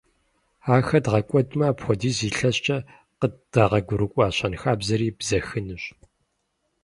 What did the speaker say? Ахэр дгъэкӀуэдмэ, апхуэдиз илъэскӀэ къыддэгъуэгурыкӀуа щэнхабзэри бзэхынущ.